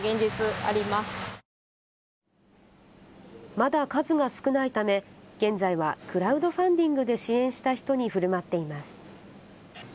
まだ数が少ないため現在はクラウドファンディングで支援した人にふるまっています。